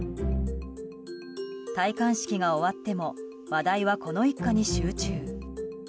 戴冠式が終わっても話題はこの一家に集中。